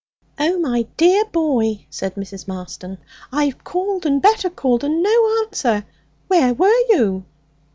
'Oh, my dear boy,' said Mrs. Marston, 'I've called and better called, and no answer! Where were you?'